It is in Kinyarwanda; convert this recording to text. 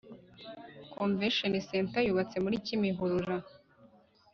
Convention center yubatse murikimihurura